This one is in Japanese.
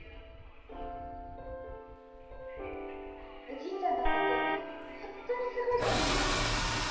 おじいちゃんのお酒ホントにすごいと思った。